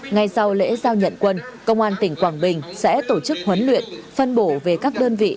ngay sau lễ giao nhận quân công an tỉnh quảng bình sẽ tổ chức huấn luyện phân bổ về các đơn vị